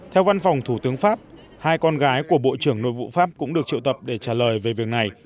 theo văn phòng thủ tướng pháp hai con gái của bộ trưởng nội vụ pháp cũng được triệu tập để trả lời về việc này